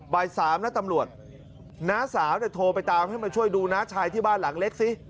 บ่าย๓นะตำรวจน้าสาวเนี่ยโทรไปตามให้มาช่วยดูน้าชายที่บ้านหลังเล็กซิ